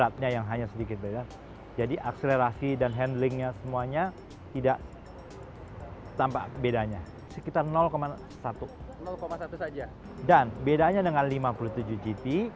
dan bedanya dengan lima puluh tujuh gt